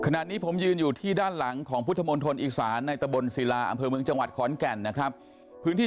ขณะนี้ผมยืนอยู่ที่ด้านหลังของพุทธมณฑลอีสานในตะบนศิลาอำเภอเมืองจังหวัดขอนแก่นนะครับพื้นที่